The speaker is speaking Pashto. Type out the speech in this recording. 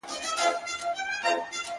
o يا نه کم، چي کم نو د خره کم٫